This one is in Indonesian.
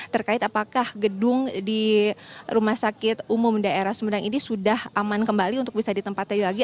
terkait apakah gedung di rumah sakit umum daerah sumedang ini sudah aman kembali untuk bisa ditempati lagi